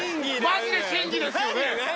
マジで審議ですよね？